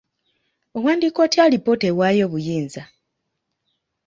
Owandiika otya alipoota ewaayo obuyinza?